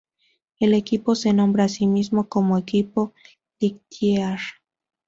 El equipo se nombra a sí mismo como "Equipo Lightyear".